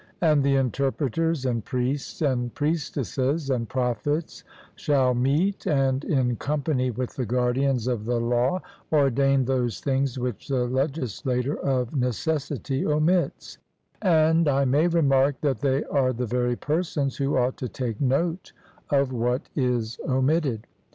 And the interpreters, and priests, and priestesses, and prophets shall meet, and, in company with the guardians of the law, ordain those things which the legislator of necessity omits; and I may remark that they are the very persons who ought to take note of what is omitted.